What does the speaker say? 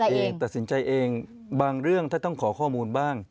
เองตัดสินใจเองบางเรื่องถ้าต้องขอข้อมูลบ้าง